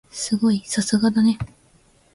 すごい！さすがだね。